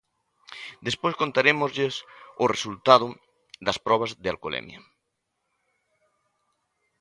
Despois, contarémoslles o resultado das probas de alcolemia.